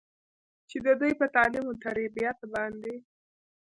چې د دوي پۀ تعليم وتربيت باندې